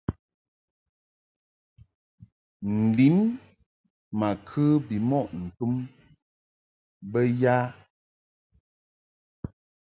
N-lin ma kə bimɔʼ ntum bə ya ?